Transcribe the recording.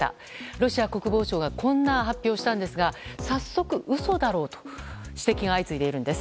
ロシア国防省がこんな発表をしたんですが早速、嘘だろうと指摘が相次いでいるんです。